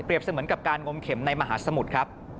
เปรียบเสมือนกับการงมเข็มในมหาสมุดครับ